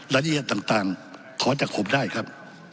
รายละเอียดต่างขอจากผมได้ครับ